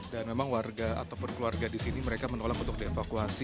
dan memang warga atau perkeluarga di sini mereka menolak untuk dievakuasi